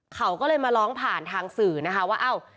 เขาก็เลยมาร้องผ่านทางสื่อนะคะว่าเอ้า